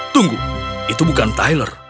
tunggu itu bukan tyler